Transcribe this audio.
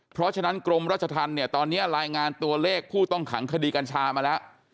เพราะฉะนั้นกรมราชธรรมเนี่ยตอนนี้รายงานตัวเลขผู้ต้องขังคดีกัญชามาแล้ว